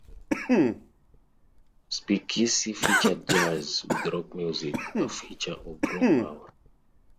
"Speakeasy" featured jazz with rock music a feature of "Raw Power".